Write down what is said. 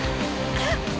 あっ！